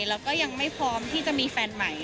แล้วก็ยังไม่พร้อมที่จะมีแฟนใหม่